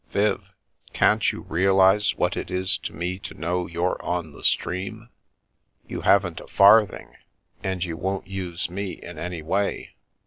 "Viv, can't you realise what it is to me to know you're on the stream? You haven't a farthing and you The Last of Harry won't use me in any way.